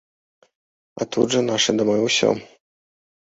А тут жа нашы дамы ўсе.